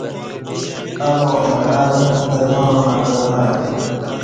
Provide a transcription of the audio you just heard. الاں مع الہ پرمعاں مع پرمع